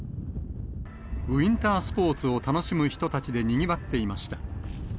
ウインタースポーツを楽しむ人たちでにぎわっていました。